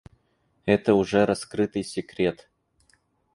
Это уже раскрытый секрет.